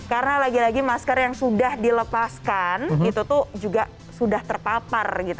karena lagi lagi masker yang sudah dilepaskan itu tuh juga sudah terpapar gitu